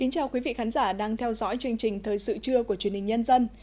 chào mừng quý vị đến với bộ phim thời sự trưa của chuyên minh nhân dân